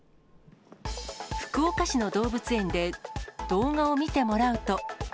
福岡市の動物園で動画を見てもらうと。